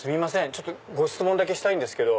ちょっとご質問だけしたいんですけど。